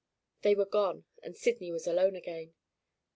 They were gone and Sydney was alone again.